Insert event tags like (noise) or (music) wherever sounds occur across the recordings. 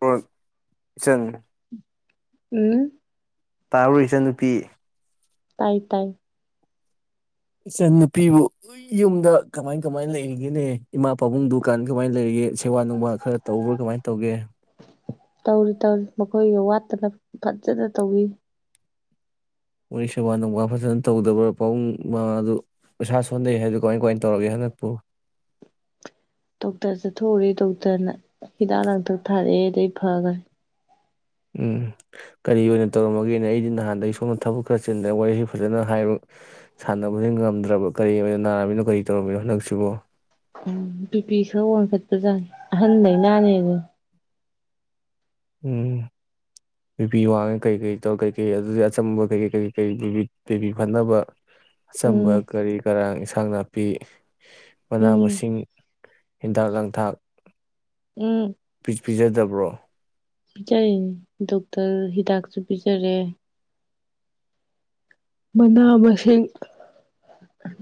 ꯍꯣ ꯏꯆꯟ ꯎꯝ ꯇꯕꯔꯥ ꯏꯆꯟꯅꯨꯄꯤ ꯇꯥꯏ ꯇꯥꯏ ꯏꯆꯟ ꯅꯨꯄꯤꯕꯨ ꯌꯨꯝꯗ ꯀꯃꯥꯏ ꯀꯃꯥꯏꯅ ꯂꯩꯔꯤꯒꯦꯅꯦ ꯏꯃꯥ ꯄꯥꯕꯨꯡ ꯗꯨꯀꯥꯟ ꯀꯃꯥꯏꯅ ꯂꯩꯔꯤꯒꯦ ꯁꯦꯕꯥ ꯅꯨꯡꯕꯥ ꯈꯔ ꯇꯧꯕ꯭ꯔꯥ ꯀꯃꯥꯏꯅ ꯇꯧꯒꯦ ꯇꯧꯔꯤ ꯇꯧꯔꯤ ꯃꯈꯣꯏꯒꯤ ꯋꯥꯠꯇꯅ ꯐꯖꯅ ꯇꯧꯋꯤ ꯋꯥꯔꯤ ꯁꯦꯕꯥ ꯅꯨꯡꯕꯥ ꯐꯖꯅ ꯇꯧꯗꯕ꯭ꯔꯥ ꯄꯥꯕꯨꯡ ꯃ ꯑꯗꯨ ꯃꯁꯥ ꯁꯣꯟꯊꯩ ꯍꯥꯏꯗꯨ ꯀꯃꯥꯏ ꯀꯃꯥꯏꯅ ꯇꯧꯔꯒꯦ ꯍꯟꯗꯛꯄꯨ ꯗꯣꯛꯇꯔ ꯆꯠꯊꯣꯛꯎꯔꯦ ꯗꯣꯛꯇꯔꯅ ꯍꯤꯗꯥꯛ ꯂꯥꯡꯊꯛ ꯊꯥꯔꯛꯑꯦ ꯑꯗꯩ ꯐꯈ꯭ꯔꯦ ꯎꯝ ꯀꯔꯤ ꯑꯣꯏꯅ ꯇꯧꯔꯝꯃꯒꯦꯅꯦ ꯑꯩꯗꯤ ꯅꯍꯥꯟꯗꯩ ꯁꯣꯝꯗ ꯊꯕꯛ ꯈꯔ ꯆꯤꯜꯂꯦ ꯋꯥꯔꯤꯁꯤ ꯐꯖꯅ ꯍꯥꯏꯕ ꯁꯥꯟꯅꯕꯗꯤ ꯉꯝꯗ꯭ꯔꯕ ꯀꯔꯤ ꯅꯥꯔꯝꯃꯤꯅꯣ ꯀꯔꯤ ꯇꯧꯔꯝꯃꯤꯅꯣ ꯍꯟꯗꯛꯁꯤꯕꯣ ꯎꯝ ꯕꯤꯄꯤ ꯈꯔ ꯋꯥꯡꯈꯠꯄꯖꯥ ꯑꯍꯟꯂꯩꯅꯅꯦ ꯎꯝ ꯕꯤꯄꯤ ꯋꯥꯡꯉꯦ ꯀꯔꯤꯀꯔꯤ ꯇꯧꯔ ꯀꯩꯀꯩ ꯑꯗꯨꯗꯤ ꯑꯆꯝꯕ ꯀꯩꯀꯩ ꯀꯩ ꯀꯩ ꯕꯤꯄꯤ ꯐꯅꯕ ꯆꯝꯕ ꯎꯝ ꯀꯔꯤ ꯀꯔꯥꯡ ꯏꯟꯥꯡ ꯅꯥꯄꯤ ꯃꯅꯥ ꯎꯝ ꯃꯁꯤꯡ ꯍꯤꯗꯥꯛ ꯂꯥꯡꯊꯛ ꯎꯝ ꯄꯤꯖꯗꯕ꯭ꯔꯣ ꯄꯤꯖꯔꯤꯅꯤ ꯗꯣꯛꯇꯔ ꯍꯤꯗꯥꯛꯁꯨ ꯄꯤꯖꯔꯦ ꯃꯅꯥ ꯃꯁꯤꯡ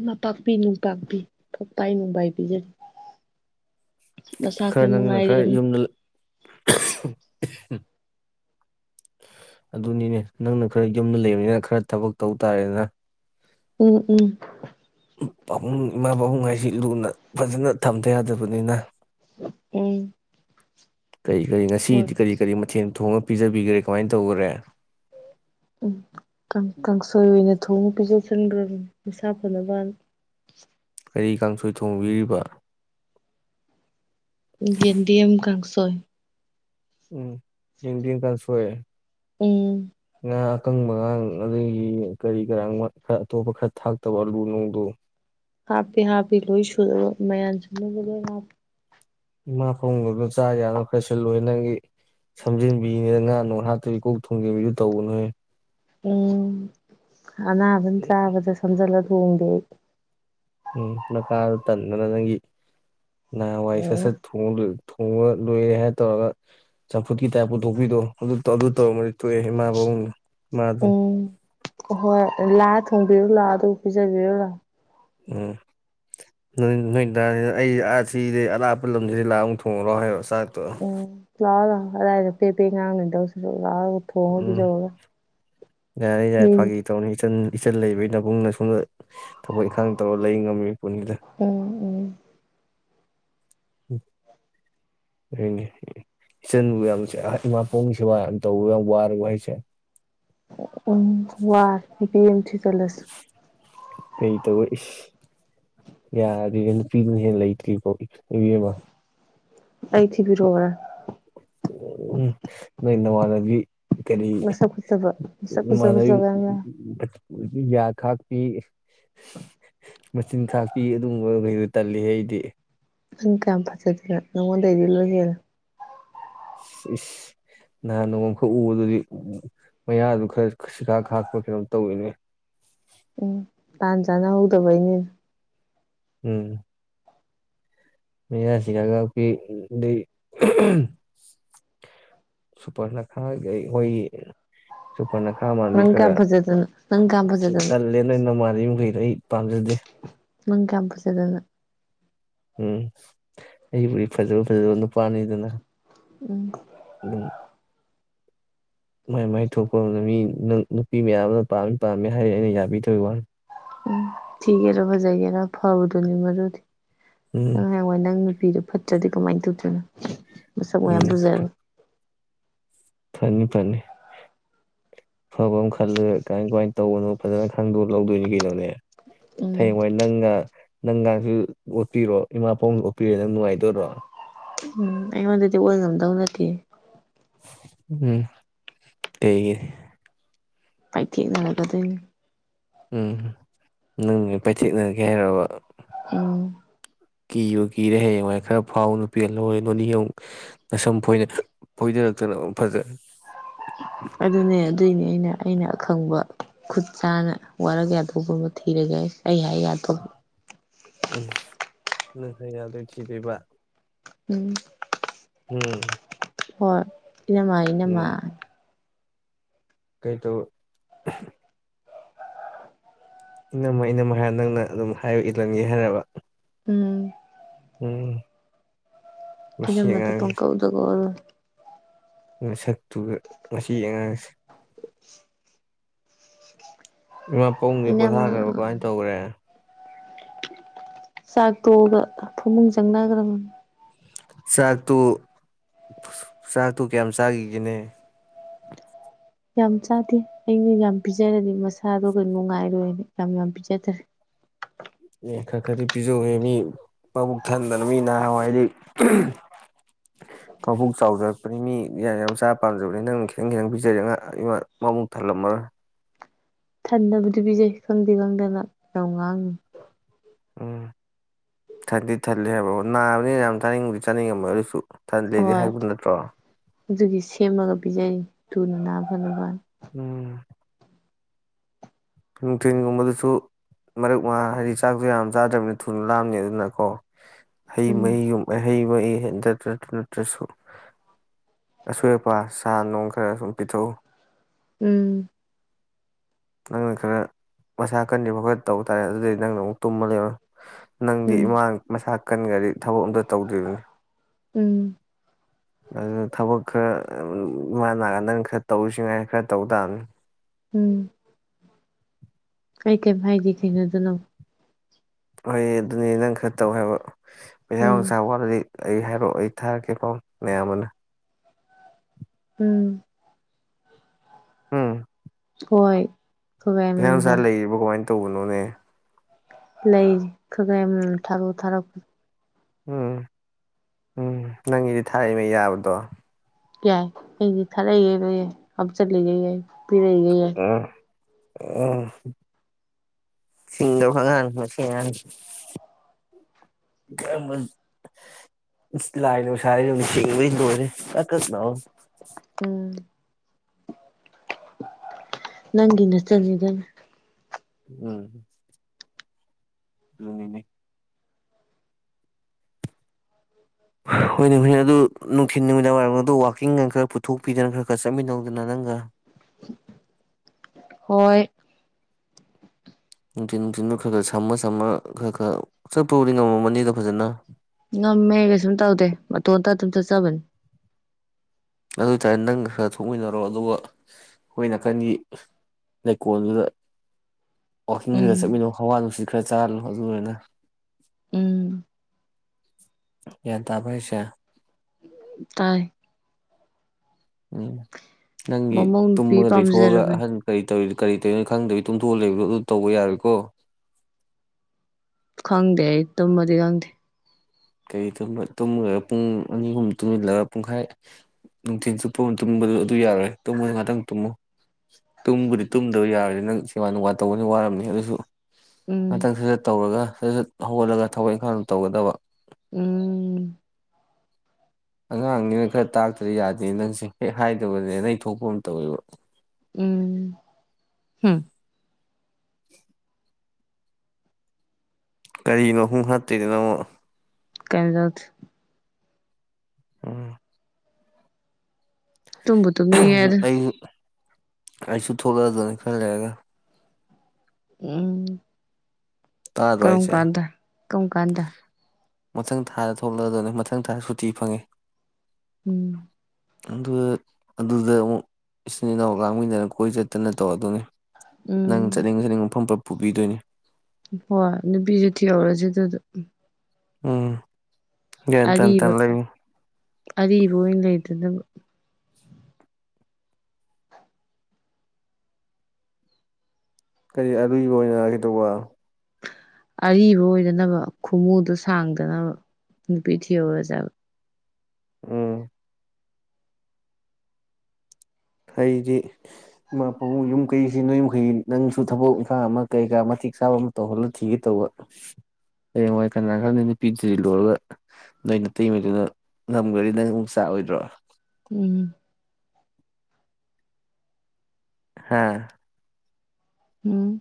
ꯅꯄꯥꯛꯄꯤ ꯅꯨꯡꯇꯥꯛꯄꯤ ꯐꯣꯛꯄꯥꯏ ꯅꯨꯡꯕꯥꯥꯏ ꯄꯤꯖꯔꯤ ꯃꯁꯥ ꯈꯔ ꯅꯪꯅ ꯈꯔ ꯅꯨꯡꯉꯥꯏꯔꯒꯑ ꯌꯨꯝꯗ ꯑꯗꯨꯅꯤꯅꯦ ꯅꯪꯅ ꯈꯔ ꯌꯨꯝꯗ ꯂꯩꯕꯅꯤꯅ ꯈꯔ ꯊꯕꯛ ꯇꯧ ꯇꯥꯔꯦꯅ ꯎꯝ ꯎꯝ ꯄꯥꯕꯨꯡ ꯏꯃꯥ ꯄꯥꯕꯨꯡ ꯍꯥꯏꯁꯤ ꯂꯨꯅ ꯐꯖꯅ ꯊꯝꯗ ꯌꯥꯗꯕꯅꯤꯅ ꯎꯝ ꯀꯔꯤ ꯀꯔꯤ ꯍꯣꯏ ꯉꯁꯤꯗꯤ ꯀꯔꯤ ꯀꯔꯤ ꯃꯊꯦꯜ ꯊꯣꯉ ꯄꯤꯖꯕꯤꯈ꯭ꯔꯦ ꯀꯃꯥꯏꯅ ꯇꯧꯒꯔꯦ ꯎꯝ ꯀꯥꯡ ꯀꯥꯡꯁꯣꯏ ꯑꯣꯏꯅ ꯊꯣꯡꯉ ꯄꯤꯖꯁꯤꯟꯕ꯭ꯔ ꯃꯁꯥ ꯐꯅꯕꯅ ꯀꯔꯤ ꯀꯥꯡꯁꯣꯏ ꯊꯣꯡꯕꯤꯔꯤꯕ ꯋꯦꯟꯗꯤꯌꯦꯝ ꯀꯥꯡꯁꯣꯏ ꯎꯝ ꯌꯦꯟꯗꯤꯟ ꯀꯥꯟ ꯁꯣꯏ ꯎꯝ ꯉꯥ ꯑꯀꯪꯕꯒ ꯑꯗꯒꯤ ꯀꯔꯤ ꯀꯔꯥꯡ ꯈꯔ ꯑꯇꯣꯞꯄ ꯈꯔ ꯊꯥꯛꯇꯕ ꯑꯂꯨ ꯅꯨꯡꯗꯣ ꯍꯥꯞꯄꯤ ꯍꯥꯞꯄꯤ ꯂꯣꯏ ꯁꯨꯨꯔꯒ ꯃꯌꯥꯟ ꯁꯨꯅꯕ ꯂꯣꯏ ꯍꯥꯞꯄꯤ ꯏꯃꯥ ꯄꯕꯨꯗꯣ ꯆꯥ ꯌꯥꯅꯕ ꯈꯔꯥꯁꯤꯜꯂꯣ ꯅꯪꯒꯤ ꯁꯝꯖꯤꯟꯕꯤꯅꯤꯅ ꯉꯍꯥ ꯅꯣꯡ ꯍꯥꯞꯇꯕꯤ ꯀꯣꯛ ꯊꯣꯡꯖꯤꯟꯕꯤꯗꯨ ꯇꯧꯕꯅꯩ ꯎꯝ ꯑꯅꯥꯕꯅ ꯆꯥꯕꯗ ꯁꯝꯖꯜꯂꯒ ꯊꯣꯡꯗꯦ ꯑꯩ ꯎꯝ ꯅ ꯀꯥꯗ ꯇꯟꯕꯅ ꯅꯪꯒꯤ ꯅꯍꯥ ꯋꯥꯏꯁ ꯎꯝ ꯁꯠ-ꯁꯠ ꯊꯣꯡꯡꯂ ꯊꯣꯡꯕ ꯂꯣꯏꯔꯦ ꯍꯥꯏ ꯇꯧꯔꯒ ꯆꯝꯐꯨꯠꯀꯤ ꯇꯥꯏꯞ ꯄꯨꯊꯣꯛꯄꯤꯗꯣ ꯑꯗꯨ ꯇꯧꯔꯝꯃꯗꯤ ꯊꯣꯛꯑꯦ ꯏꯃꯥ ꯄꯥꯕꯨꯡꯅ ꯃꯥ ꯑꯗꯨꯝ ꯎꯝ ꯍꯣꯏ ꯂꯥꯛꯑ ꯊꯣꯡꯕꯤꯔꯨ ꯂꯥꯑꯣ ꯑꯗꯨ ꯄꯤꯖꯕꯤꯔꯨ ꯂꯥꯑꯣ ꯎꯝ ꯅꯣꯏ ꯅꯣꯏꯗꯥꯏ ꯑꯩꯥ ꯑꯥꯁꯤꯗꯩ ꯑꯔꯥꯞꯄ ꯂꯝꯁꯤꯗ ꯂꯥꯛꯑ ꯑꯃꯨꯛ ꯊꯣꯡꯉ꯭ꯔꯣ ꯍꯥꯏꯔꯣ ꯆꯥꯛ ꯎꯝ ꯂꯥꯎ ꯂꯥꯎ ꯑꯗꯥꯏꯗ ꯄꯦ ꯄꯦ ꯉꯥꯡꯉ ꯂꯩꯗꯧ ꯁꯔꯨꯛ ꯂꯥꯎ ꯊꯣꯡꯉꯒ ꯎꯝ ꯄꯤꯖꯎ ꯂꯥꯎ ꯌꯥꯔꯦ ꯌꯥꯔꯦ ꯅꯪ ꯐꯥꯒꯤ ꯇꯧꯅꯤ ꯏꯆꯟ ꯏꯆꯟ ꯂꯩꯕꯩ ꯅꯕꯨꯡꯅ ꯁꯣꯝꯗ ꯊꯕꯛ ꯏꯪꯈꯥꯡ ꯇꯧꯔꯒ ꯂꯩ ꯉꯝꯃꯤꯝꯅꯤ ꯎꯝ ꯎꯝ ꯌꯦꯡꯒꯦ ꯏꯆꯟꯕꯨ ꯌꯥꯝ ꯏꯃꯥ ꯄꯥꯎꯪꯒꯤ ꯁꯦꯕꯥ ꯇꯧꯕ ꯌꯥꯝ ꯋꯥꯔꯕꯣ ꯍꯥꯏꯁꯦ ꯎꯝ ꯋꯥꯔ ꯍꯦꯌꯦꯡ ꯊꯤꯖꯤꯜꯂꯁꯤ ꯀꯩ ꯇꯧꯔ ꯏꯁ ꯌꯥꯗꯦꯅ ꯅꯨꯄꯤꯗꯨꯅ ꯍꯦꯟꯅ ꯂꯩꯇ꯭ꯔꯤꯀꯣ ꯏꯕꯦꯝꯃ ꯑꯩ ꯊꯤꯕꯤꯔꯛꯑꯣꯔꯥ ꯎꯝ ꯅꯣꯏ ꯅꯃꯥꯟꯅꯕꯤ ꯀꯔꯤ ꯃꯁꯛ ꯐꯖꯕ ꯃꯁꯛ ꯐꯖ ꯅꯃꯥꯟꯅꯕꯤ ꯐꯖꯕ ꯌꯥꯝ ꯌꯥꯎ ꯌꯥ ꯈꯥꯛꯄꯤ (inaudible) ꯃꯆꯤꯟ ꯈꯥꯛꯄꯤ ꯑꯗꯨꯒꯝꯕꯩꯗ ꯇꯜꯂꯤꯍꯦ ꯑꯩꯗꯤ ꯅꯪ ꯀꯌꯥꯝ ꯐꯖꯗꯅ ꯅꯉꯣꯟꯗꯒꯤꯗꯤ ꯂꯣꯏꯝ ꯍꯦꯜꯂꯦ ꯏꯁ ꯅꯍꯥꯟ ꯅꯣꯡ ꯑꯃꯈꯛ ꯎꯕꯗꯨꯗꯤ ꯃꯌꯥꯗꯨ ꯈꯔ ꯁꯤꯈꯥꯛ ꯈꯥꯛꯄ ꯀꯩꯅꯣꯝ ꯇꯧꯏꯅꯦ ꯎꯝ ꯇꯥꯥꯟ ꯆꯥꯅ ꯍꯧꯗꯕꯩꯅꯤ ꯎꯝ ꯃꯌꯥꯁꯤꯒ ꯀꯥꯛꯄꯤꯗꯤ ꯁꯨꯄꯔ ꯅꯈꯥꯒ ꯒꯩ ꯑꯣꯏꯒꯤ ꯁꯨꯄꯔꯅꯈꯥ ꯃꯥꯟꯕꯤ ꯅꯪ ꯈꯔ ꯀꯌꯥꯝ ꯐꯖꯗꯅ ꯅꯪ ꯀꯌꯥꯝ ꯐꯖꯗꯅ ꯇꯜꯂꯦ ꯅꯣꯏ ꯅꯃꯥꯟꯕꯤꯃꯈꯩꯗꯣ ꯑꯩ ꯄꯥꯝꯖꯗꯦ ꯅꯪ ꯀꯌꯥꯝ ꯐꯖꯗꯅ ꯎꯝ ꯑꯩꯕꯨꯗꯤ ꯐꯖꯕ ꯐꯖꯗꯕ ꯅꯨꯄꯥꯅꯤꯗꯅ ꯎꯝ ꯑꯗꯨꯝ ꯃꯥꯏ ꯃꯥꯏ ꯊꯣꯛꯄ ꯃꯤ ꯅꯨꯄꯤ ꯃꯌꯥꯝꯅ ꯄꯥꯝꯃꯤ ꯄꯥꯝꯃꯤ ꯍꯥꯏ ꯑꯩꯅ ꯌꯥꯕꯤꯗꯕꯩ ꯋꯥꯅꯤ ꯎꯝ ꯊꯤꯒꯦꯔꯥ ꯐꯖꯒꯦꯔꯥ ꯐꯕꯗꯨꯅꯦ ꯃꯔꯨꯗꯤ ꯎꯝ ꯅꯪ ꯍꯌꯦꯡꯋꯥꯏ ꯅꯪ ꯅꯨꯄꯤꯗꯣ ꯐꯠꯇ꯭ꯔꯗꯤ ꯀꯃꯥꯏꯅ ꯇꯧꯗꯣꯏꯅꯣ (inaudible) ꯃꯁꯛ ꯃꯌꯥꯝ ꯎꯝ ꯐꯖꯔꯦ ꯐꯅꯤ ꯐꯅꯤ ꯐꯕ ꯑꯃ ꯈꯜꯂꯒ ꯀꯃꯥꯏ ꯀꯃꯥꯏ ꯇꯧꯕꯅꯣ ꯐꯖꯅ ꯈꯪꯗꯣꯛ ꯂꯧꯗꯣꯏꯅꯤ ꯀꯩꯅꯣꯅꯦ ꯎꯝ ꯍꯌꯦꯡꯋꯥꯏ ꯅꯪꯅ ꯅꯪ (inaudible) ꯁꯨ ꯑꯣꯠꯄꯤꯔꯣ ꯏꯃꯥ ꯄꯥꯎꯁꯨ ꯑꯣꯠꯄꯤꯔ ꯅꯪ ꯅꯨꯡꯉꯥꯏꯗꯣꯏꯔꯣ ꯎꯝ ꯑꯩꯉꯣꯟꯗꯗꯤ ꯑꯣꯏ ꯉꯝꯗꯧ ꯅꯠꯇꯦ ꯎꯝ ꯍ (unintelligible) ꯄꯥꯏꯊꯦꯛꯅꯔꯛꯀꯗꯣꯏꯅꯤ ꯎꯝ ꯅꯪꯒ ꯄꯥꯏꯊꯦꯛꯅꯔꯒꯦ ꯍꯥꯏꯔꯤꯔꯕ ꯎꯝ ꯀꯤꯌꯨ ꯀꯤꯔꯦ ꯍꯌꯦꯡꯋꯥꯏ ꯈꯔ ꯐꯥꯎꯕ ꯅꯨꯄꯤꯒ ꯂꯧꯔꯒ ꯅꯣꯏꯅꯤ ꯑꯃꯨꯛ ꯅꯁꯝ ꯐꯣꯏꯅꯈꯠꯂꯛꯇꯅ ꯑꯃꯨꯛ ꯐꯖ ꯑꯗꯨꯅꯦ ꯑꯗꯨ ꯑꯗꯨꯏꯅꯤ ꯑꯩꯅ ꯑꯩꯅ ꯑꯈꯪꯕ ꯈꯨꯠ ꯁꯥꯥꯅ ꯋꯥꯔꯒ ꯌꯥꯊꯣꯛꯄ ꯑꯃ ꯊꯤꯔꯒ ꯑꯩ ꯍꯥꯏꯊꯣꯛ ꯎꯝ (unintelligible) ꯎꯝ ꯎꯝ ꯍꯣꯏ ꯏꯅꯝꯃ ꯏꯅꯝꯃ ꯀꯩ ꯇꯧ ꯏꯅꯝꯃ ꯏꯅꯝꯃ ꯍꯥꯏꯔ ꯅꯪꯅ ꯑꯗꯨꯝ ꯍꯥꯏꯕ ꯏꯜꯂꯒꯦ ꯍꯥꯏꯔꯕ ꯎꯝ ꯎꯝ ꯃꯁꯤ ꯏꯅꯝꯃꯗ ꯄꯪ ꯑꯉꯥꯡꯁꯦ ꯀꯧꯗ ꯀꯧꯔꯂꯣꯏꯔꯦ ꯃꯁꯛꯇꯨꯒ ꯃꯁꯤ ꯑꯉꯥꯡꯁꯦ (inaudible) ꯏꯃꯥ ꯄꯥꯕꯨꯡꯗꯤ ꯏꯅꯝꯃ ꯄꯣꯊꯥꯈ꯭ꯔꯕ ꯀꯃꯥꯏꯅ ꯇꯧꯈꯒ꯭ꯔꯦ ꯆꯥꯛꯇꯣꯛꯑꯒ ꯐꯃꯨꯡ ꯆꯪꯅꯈ꯭ꯔꯕꯅꯤ ꯆꯥꯛꯇꯨ ꯆꯥꯛꯇꯨ ꯀꯌꯥꯝ ꯆꯥꯈꯤꯒꯦꯅꯦ ꯌꯥꯝ ꯆꯥꯗꯦ ꯑꯩꯅ ꯌꯥꯝ ꯄꯤꯖꯔꯗꯤ ꯃꯁꯥꯗꯣꯒ ꯅꯨꯡꯉꯥꯏꯔꯣꯏꯅ ꯌꯥꯝ ꯌꯥꯝ ꯄꯤꯖꯗ꯭ꯔꯦ ꯑꯦ ꯈꯔ ꯈꯔꯗꯤ ꯄꯤꯖꯧꯍꯦ ꯃꯤ ꯃꯕꯨꯛ ꯊꯟꯗꯅ ꯃꯤ ꯅꯍꯥꯟꯋꯥꯏꯗꯤ ꯃꯕꯨꯛ ꯆꯥꯎꯖꯔꯛꯄꯅꯤ ꯃꯤ ꯌꯥꯝ ꯌꯥꯝ ꯆꯥꯥꯕ ꯄꯥꯝꯖꯕꯅꯤ ꯅꯪ ꯈꯤꯇꯪ ꯈꯤꯇꯪ ꯄꯤꯖꯔꯦ ꯑꯉꯥꯡ ꯑꯅꯤꯃꯛ ꯃꯕꯨꯛ ꯊꯜꯂꯝꯃꯔꯣꯏ ꯊꯟꯗꯕꯨꯗꯤ ꯄꯤꯖꯩ ꯈꯪꯗꯤ ꯈꯪꯗꯅ ꯌꯥꯝ ꯉꯥꯡꯅꯨ ꯎꯝ ꯊꯟꯗꯤ ꯊꯜꯂꯤ ꯍꯥꯏꯕ ꯅꯥꯕꯅꯤꯅ ꯌꯥꯝ ꯆꯥꯅꯤꯡꯕꯗꯤ ꯆꯥꯅꯤꯡꯉꯝꯃꯣ ꯑꯗꯨ ꯑꯣꯏꯁꯨ ꯍꯣꯏ ꯑꯗꯨꯒꯤ ꯁꯦꯝꯃꯒ ꯄꯤꯖꯔꯤꯅꯤ ꯨ ꯊꯨꯅꯥ ꯅꯥꯕ ꯐꯥꯅꯕ ꯎꯝ ꯅꯨꯡꯊꯤꯟꯒꯨꯝꯕꯗꯨꯁꯨ ꯃꯔꯛ ꯃꯉꯥ ꯍꯥꯏꯗꯤ ꯆꯥꯛꯁꯨ ꯌꯥꯝ ꯆꯥꯗ꯭ꯔꯅꯤꯅ ꯊꯨꯅ ꯂꯥꯝꯅꯤ ꯑꯗꯨꯅꯀꯣ ꯍꯩ ꯎꯝ ꯃꯍꯤꯒꯨꯝ ꯍꯩ ꯍ ꯗꯇꯠꯇꯁꯨ ꯑꯁꯣꯏ ꯑꯄꯥ ꯁꯥ ꯅꯨꯡ ꯈꯔ ꯁꯨꯝ ꯄꯤꯊꯛꯎ ꯎꯝ ꯅꯪꯅ ꯈꯔ ꯃꯁꯥ ꯀꯟꯗꯤ ꯐꯥꯎꯕ ꯇꯧꯕ ꯇꯥꯔꯦ ꯑꯗꯨꯗꯩ ꯅꯪꯅ ꯑꯃꯨꯛ ꯇꯨꯝꯃ ꯂꯩꯔꯣꯏ ꯅꯪꯗꯤ ꯎꯝ ꯏꯃꯥꯡ ꯃꯁꯥ ꯑꯀꯟꯒ꯭ꯔꯗꯤ ꯊꯕꯛ ꯑꯝꯇ ꯇꯧꯗ꯭ꯔꯤꯕꯅꯤ ꯎꯝ ꯑꯗꯨꯅ ꯊꯕꯛ ꯈꯔ ꯏꯃꯥ ꯅꯥꯔ ꯅꯪ ꯈꯔ ꯇꯧꯨꯁꯤꯉꯥꯏ ꯈꯔ ꯇꯧ ꯇꯥꯕꯅꯤ ꯎꯝ ꯑꯩ ꯀꯩꯝ ꯍꯥꯏꯗꯦ ꯀꯩꯅꯣ ꯑꯗꯨꯅꯕꯨ ꯍꯣꯏ ꯑꯗꯨꯅꯦ ꯅꯪ ꯈꯔ ꯇꯧ ꯍꯥꯏꯕ ꯎꯝ ꯄꯩꯁꯥꯅꯨꯡꯁꯥ ꯋꯥꯠꯂꯗꯤ ꯑꯩ ꯍꯥꯏꯔꯛꯑꯣ ꯑꯩ ꯊꯥꯔꯛꯀꯦ ꯀꯣ ꯃꯌꯥꯝꯕꯅꯦ ꯎꯝ ꯍꯣꯏ ꯈꯒꯥꯏ ꯄꯩꯁ ꯅꯨꯡꯁ ꯑꯃꯃꯝ ꯂꯩꯔꯤꯕꯣ ꯀꯃꯥꯏ ꯇꯧꯕꯅꯣꯅꯦ ꯂꯩꯔꯤ ꯈꯔ ꯈꯔꯥ ꯌꯥꯝꯌꯥꯝꯅ ꯊꯥꯔꯛꯑꯣ ꯊꯥꯔꯛ ꯎꯝ ꯎꯝ ꯎꯝ ꯅꯪꯒꯤꯗꯤ ꯊꯥꯔꯛꯏꯉꯩ ꯌꯥꯕꯗꯣ ꯌꯥꯏ ꯑꯩꯗꯤ ꯊꯥꯔꯛꯏꯉꯩ ꯂꯣꯏ ꯌꯥꯏ ꯍꯥꯞꯆꯜꯂꯤꯒꯩ ꯌꯥꯏ ꯄꯤꯔꯛ ꯏꯒꯩ ꯌꯥꯏ ꯑꯥ ꯁꯤꯡꯒꯔꯕ ꯑꯉꯥꯡ ꯃꯆꯥꯅꯤ ꯀꯔꯝꯕ ꯂꯥꯢꯅꯕꯨ ꯁꯥꯔꯤꯅꯣ ꯁꯤꯡꯕꯗꯤ ꯂꯣꯢꯔꯦ ꯊꯛꯀ ꯆꯥꯎ ꯎꯝ ꯅꯪꯒꯤ ꯅꯆꯜꯅꯤꯗꯅ ꯎꯝ ꯑꯗꯨꯅꯤꯅꯦ ꯍꯣꯏꯅꯦ ꯍꯣꯏꯅꯦ ꯑꯗꯨ ꯅꯨꯡꯊꯤꯟ ꯅꯨꯃꯤꯗꯥꯡ ꯋꯥꯏꯔꯝꯒꯗꯣ ꯋꯥꯛꯀꯤꯡꯒ ꯈꯔ ꯄꯨꯊꯣꯛꯄꯤꯗꯅ ꯈꯔ ꯈꯔ ꯆꯠꯃꯤꯟꯅꯧꯗꯅ ꯅꯪꯒ ꯍꯣꯏ ꯅꯨꯡꯊꯤꯟ ꯅꯨꯡꯊꯤꯟꯗꯨ ꯈꯔ ꯈꯔ ꯁꯝꯃ ꯁꯝꯃ ꯈꯔ ꯈꯔ ꯆꯠꯄꯕꯨꯗꯤ ꯉꯝꯃꯝꯃꯅꯤꯗ ꯐꯖꯅ ꯉꯝꯃꯦ ꯀꯩꯁꯨꯝ ꯇꯧꯗꯦ ꯃꯇꯣꯟꯇ ꯑꯗꯨꯝ ꯆꯠꯆꯕꯅꯤ ꯑꯗꯨ ꯇꯔ ꯅꯪꯒ ꯈꯔ ꯈꯔ ꯊꯣꯛꯃꯤꯟꯅꯔꯣ ꯑꯗꯨꯒ ꯑꯩꯈꯣꯏ ꯅꯥꯀꯟꯒꯤ ꯂꯩꯀꯣꯜꯗꯨꯗ ꯋꯥꯛꯀꯤꯡ ꯈꯔ ꯎꯝ ꯆꯠꯃꯤꯟꯅꯧ ꯍꯋꯥ ꯅꯨꯡꯁꯤꯠ ꯈꯔ ꯆꯥꯍꯜꯂꯣ ꯑꯗꯨꯑꯣꯏꯔꯅ ꯎꯝ ꯒ꯭ꯌꯥꯟ ꯇꯕꯔꯥ ꯑꯩꯁꯦ ꯇꯥꯏ ꯎꯝ ꯅꯪꯒꯤ ꯃꯃꯧ ꯅꯨꯄꯤ ꯇꯨꯝꯃꯒ ꯂꯩꯊꯣꯛꯑꯒ ꯄꯥꯝꯖꯔꯕꯅꯤ ꯑꯍꯟ ꯀꯩ ꯇꯧꯏꯗꯨ ꯀꯔꯤ ꯇꯧꯔꯤꯅꯣ ꯈꯪꯗꯕꯤ ꯇꯨꯝꯊꯣꯛꯑ ꯂꯩꯕꯗꯣ ꯑꯗꯨ ꯇꯧꯕ ꯌꯥꯔꯣꯏꯀꯣ ꯈꯪꯗꯦ ꯑꯩ ꯇꯨꯝꯃꯗꯤ ꯈꯪꯗꯦ ꯀꯩ ꯇꯨꯝꯕ ꯇꯨꯝꯒ꯭ꯔꯥꯒ ꯄꯨꯡ ꯑꯅꯤ ꯑꯍꯨꯝ ꯇꯨꯝꯁꯤꯜꯂꯒ ꯄꯨꯡꯈꯥꯏ ꯅꯨꯡꯊꯤꯜ ꯆꯨꯞꯄ ꯃ ꯇꯨꯝꯕꯗꯨ ꯑꯗꯨ ꯌꯥꯔꯣꯏ ꯇꯨꯝꯕꯗ ꯉꯥꯛꯇꯪ ꯇꯨꯝꯃꯨ ꯇꯨꯝꯕꯨꯗꯤ ꯇꯨꯝꯗꯕ ꯌꯥꯔꯣꯏꯗ ꯅꯪ ꯁꯦꯕꯥ ꯅꯨꯡꯕꯥ ꯇꯧꯕꯗꯤ ꯋꯥꯔꯝꯅꯤ ꯑꯗꯨꯁꯨ ꯎꯝ ꯃꯊꯛ ꯈꯔꯥ ꯇꯧꯔꯒ ꯁꯠ ꯍꯧꯒꯠꯂꯒ ꯊꯕꯛ ꯏꯪꯈꯥꯡꯗꯨ ꯇꯧꯒꯗꯕ ꯎꯝ ꯑꯉꯥꯡꯅꯤꯅ ꯈꯔ ꯇꯥꯛꯇ꯭ꯔꯗꯤ ꯌꯥꯗꯦ ꯅꯪꯁꯦ ꯍꯦꯛ ꯍꯥꯏꯗꯕꯅꯦ ꯅꯪ ꯊꯣꯛꯄ ꯑꯃ ꯇꯧꯋꯦꯕ ꯎꯝ ꯍꯨꯝ ꯀꯔꯤꯅꯣ ꯍꯨꯡ ꯍꯥꯠ ꯇꯣꯏꯗꯨꯅ ꯃꯨꯛ ꯀꯩ ꯅꯣ ꯊ ꯎꯝ ꯇꯨꯝꯕꯨ ꯇꯨꯝꯅꯤꯡ ꯉꯛꯑꯦꯗ ꯑꯩꯁꯨ ꯑꯩꯁꯨ ꯊꯣꯛꯂꯛꯒ ꯈꯔ ꯂꯩꯔꯒ ꯎꯝ ꯇꯥꯗꯔꯣ ꯍꯥꯏꯁꯦ ꯀꯝ ꯀꯥꯟꯗ ꯃꯊꯪ ꯊꯥꯗ ꯊꯣꯛꯂꯛꯑꯗꯝꯅꯦ ꯃꯊꯪ ꯊꯥꯗ ꯁꯨꯇꯤ ꯐꯪꯉꯦ ꯎꯝ ꯑꯗꯨ ꯑꯗꯨꯗ ꯑꯃꯨꯛ ꯏꯆꯤꯟ ꯏꯅꯥꯎ ꯂꯥꯡꯃꯤꯅꯔ ꯀꯣꯏ ꯆꯠꯇꯅ ꯇꯧꯔꯗꯧꯅꯦ ꯅꯪ ꯎꯝ ꯆꯠꯅꯤꯡ ꯆꯠꯅꯤꯡ ꯃꯐꯝ ꯄꯨꯕꯤꯗꯣꯏꯅꯦ ꯍꯣꯏ ꯅꯨꯄꯤꯁꯨ ꯊꯤꯍꯧꯔꯁꯤ ꯑꯗꯨꯗ ꯎꯝ ꯒꯌꯥꯟ ꯇꯥꯟ ꯇꯥꯟ ꯑꯔꯤꯕ ꯂꯩꯔꯝꯃꯨ ꯑꯔꯤꯕ ꯑꯣꯏꯅ ꯂꯩꯗꯅꯕ ꯀꯔꯤ ꯑꯔꯤꯕ ꯑꯣꯏꯅ ꯀꯩꯗꯧꯕ ꯑꯔꯤꯕ ꯑꯣꯏꯗꯅꯕ ꯈꯨꯃꯨꯗꯨꯣ ꯁꯥꯡꯗꯅꯕ ꯅꯨꯄꯤ ꯊꯤꯍꯧꯔꯁꯦ ꯍꯥꯏꯕ ꯎꯝ ꯑꯩꯗꯤ ꯏꯃꯥ ꯄꯥꯕꯨꯡ ꯌꯨꯝ ꯀꯩꯁꯤ ꯅꯣꯏꯃ ꯅꯪꯁꯨ ꯊꯕꯛ ꯏꯪꯈꯥꯡ ꯑꯃ ꯀꯩꯀꯥ ꯃꯇꯤꯛ ꯆꯥꯕ ꯑꯃ ꯇꯧꯍꯜꯂ ꯊꯤꯒꯦ ꯇꯧꯕ ꯍꯌꯦꯡꯋꯥꯏ ꯀꯅꯥ ꯈꯪꯅꯤ ꯅꯨꯄꯤꯊꯤꯔꯨꯔꯒ ꯅꯣꯏ ꯅꯇꯩꯃꯗꯨꯅ ꯉꯝꯈꯔ ꯅꯪ ꯆꯥꯛꯑꯣꯏꯗꯔꯣ ꯎꯝ ꯍꯥꯥ ꯎꯝ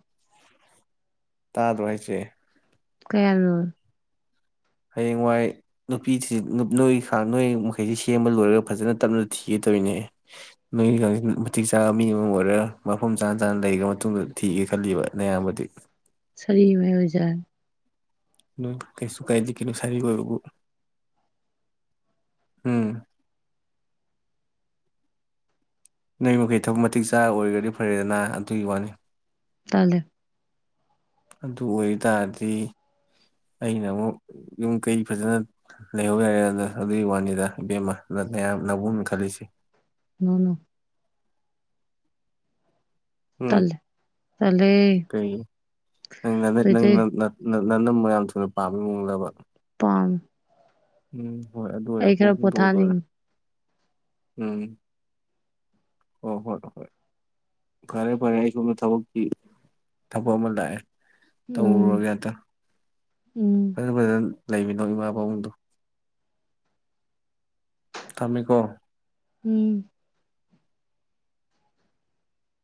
ꯇꯥꯗ꯭ꯔꯣ ꯍꯥꯏꯁꯦ ꯀꯩ ꯍꯥꯏꯕꯅꯣ ꯍꯌꯦꯡꯋꯥꯏ ꯅꯨꯄꯤ ꯊꯤ ꯅꯣꯏ ꯅꯣꯏ ꯃꯈꯩꯁꯤ ꯁꯦꯝꯕ ꯂꯣꯏꯔꯒ ꯐꯖꯅ ꯇꯞꯅꯅ ꯊꯤꯒꯦꯇꯧꯏꯅꯦ ꯅꯣꯏꯒꯁꯤ ꯃꯇꯤꯛ ꯆꯥꯕ ꯃꯤ ꯑꯃ ꯑꯣꯏꯔꯒ ꯃꯐꯝ ꯆꯥꯅ ꯆꯥꯅ ꯂꯩꯒ ꯃꯇꯨꯡꯗ ꯊꯤꯒꯦ ꯈꯜꯂꯤꯕ ꯅꯌꯥꯝꯕꯗꯤ ꯁꯔꯤꯃꯥꯏ ꯑꯣꯏꯖꯔꯅꯤ ꯅꯣꯏ ꯀꯩꯁꯨ ꯀꯥꯏꯗꯦ ꯀꯩꯅꯣ ꯁꯔꯤ ꯑꯣꯏꯕꯕꯨ ꯎꯝ ꯅꯣꯏ ꯃꯈꯩ ꯊꯕꯛ ꯃꯇꯤꯛ ꯆꯥꯔ ꯑꯣꯏꯒꯔꯗꯤ ꯐꯔꯦꯗꯅ ꯑꯗꯨꯒꯤ ꯋꯥꯅꯤ ꯇꯜꯂꯦ ꯑꯗꯨ ꯑꯣꯏ ꯇꯥꯔꯗꯤ ꯑꯩꯅ ꯑꯃꯨꯛ ꯌꯨꯝ ꯀꯩ ꯐꯖꯅ ꯂꯩꯍꯧ ꯌꯥꯔꯦ ꯑꯗ ꯑꯗꯨꯒꯤ ꯋꯥꯅꯤꯗ ꯏꯕꯦꯝꯃ ꯅꯌꯥꯝ ꯅꯕꯨꯡꯅ ꯈꯜꯂꯤꯁꯦ (unintelligible) ꯎꯝ ꯇꯜꯂꯦ ꯇꯜꯂꯦ ꯀꯩ (unintelligible) ꯍꯧꯖꯤꯛꯇꯩ ꯅꯅꯝꯃ ꯌꯥꯝ ꯊꯨꯅ ꯄꯥꯝꯕ ꯉꯝꯅꯕ ꯄꯥꯝ (inaudible) ꯑꯩ ꯀꯣꯛ ꯈꯔ ꯍꯣꯡꯗꯣꯛꯑ ꯂꯣꯏꯔꯦ ꯄꯣꯊꯥꯅꯤꯡꯏ ꯎꯝ ꯍꯣ ꯍꯣꯏ ꯍꯣꯏ ꯐꯔꯦ ꯐꯔꯦ ꯑꯩꯁꯣꯝꯗ ꯊꯕꯛꯀꯤ ꯊꯕꯛ ꯑꯃ ꯂꯥꯛꯑꯦ ꯎꯝ ꯇꯧꯔꯨꯔꯒꯦ ꯑꯝꯇ ꯎꯝ ꯐꯖ ꯐꯖꯅ ꯂꯩꯃꯤꯅꯧ ꯏꯃꯥ ꯄꯥꯕꯨꯡꯗꯨꯣ ꯊꯝꯃꯦꯀꯣ ꯎꯝ